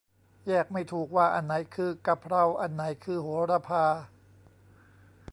แยกไม่ถูกว่าอันไหนคือ กะเพรา อันไหนคือ โหระพา